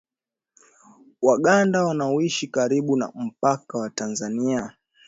Waganda wanaoishi karibu na mpaka wa Tanzania